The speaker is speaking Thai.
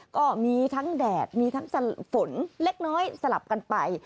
ก็มีทั้งแดดมีทั้งฝนเล็กน้อยสลับกันไป